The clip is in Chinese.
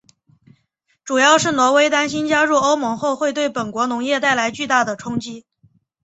主要是挪威担心加入欧盟后会对本国农业带来巨大的冲击。